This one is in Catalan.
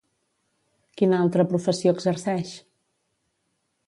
Quina altra professió exerceix?